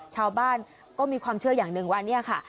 ชาวบ้านก็มีความเชื่ออย่างหนึ่งว่าเนี่ยค่ะ